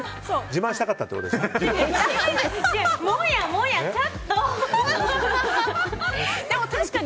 自慢したかったってことですか。